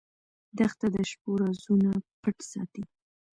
دښته د شپو رازونه پټ ساتي.